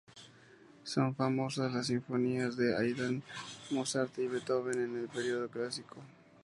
Son famosas las sinfonías de Haydn, Mozart y Beethoven en el período clásico.